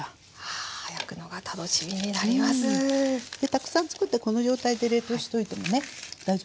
たくさんつくったこの状態で冷凍しておいてもね大丈夫です。